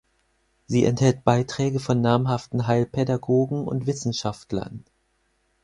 Sie enthält Beiträge von namhaften Heilpädagogen und Wissenschaftlern.